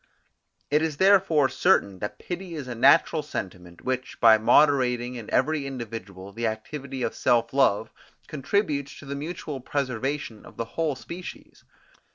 It is therefore certain that pity is a natural sentiment, which, by moderating in every individual the activity of self love, contributes to the mutual preservation of the whole species.